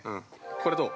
これどう？